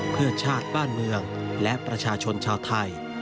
เพื่อชาติบ้านเมืองและประชาชนชาวไทย